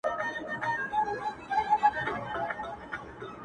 دا كار د بــې غيـرتو په پـــردي كي پـــاته سـوى ـ